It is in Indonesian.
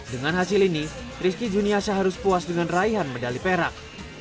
dengan hasil ini rizky juniasya harus puas dengan raihan medali perak